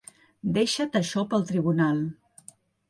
Deixa't això pel Tribunal.